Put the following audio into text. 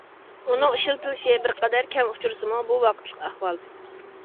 ئۇنىڭ ئىشلىتىلىشى بىرقەدەر كەم ئۇچرىسىمۇ، بۇ ۋاقىتلىق ئەھۋال.